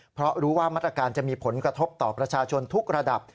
เพราะรู้ว่ามาตรการจะมีผลกระทบต่อประชาชนทุกระดับ